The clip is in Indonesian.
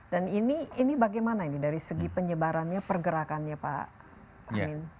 dan ini bagaimana dari segi penyebarannya pergerakannya pak